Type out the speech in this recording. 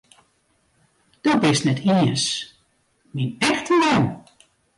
Do bist net iens myn echte mem!